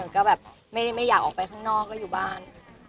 ก็แบบไม่อยากออกไปข้างนอกก็อยู่บ้าน